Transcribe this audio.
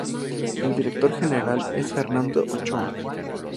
El director general es Fernando Ochoa.